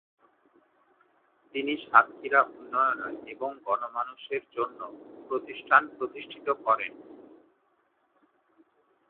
তিনি সাতক্ষীরা উন্নয়নে এবং গণ-মানুষের জন্য প্রতিষ্ঠান প্রতিষ্ঠিত করেন।